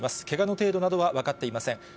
けがの程度などは分かっていません。